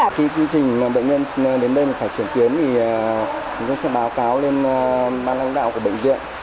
khi chương trình bệnh nhân đến đây mà phải chuyển kiến thì chúng tôi sẽ báo cáo lên ban lãnh đạo của bệnh viện